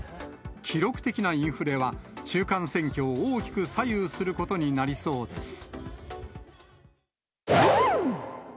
記録的なインフレは、中間選挙を大きく左右することになりそうです。